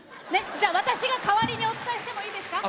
私が代わりにお伝えしてもいいですか。